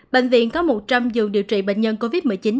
bệnh viện có một trăm linh giường điều trị bệnh nhân covid một mươi chín